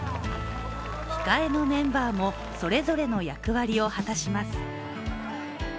控えのメンバーもそれぞれの役割を果たします。